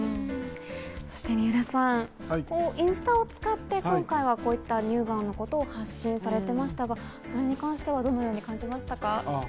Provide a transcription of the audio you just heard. そして三浦さん、インスタを使って今回は乳がんのことを発信されていましたが、それに関してはどう感じましたか？